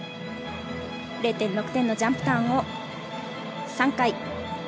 ０．６点のジャンプターンを３回。